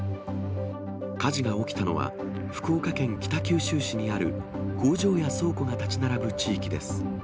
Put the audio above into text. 火事が起きたのは、福岡県北九州市にある工場や倉庫が建ち並ぶ地域です。